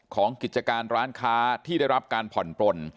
กิจการร้านค้าที่ได้รับการผ่อนปลน